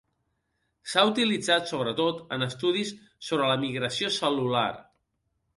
S'ha utilitzat sobretot en estudis sobre la migració cel·lular.